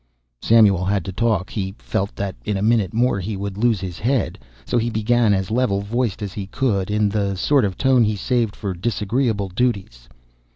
Samuel had to talk. He felt that in a minute more he would lose his head. So he began, as level voiced as he could in the sort of tone he saved for disagreeable duties.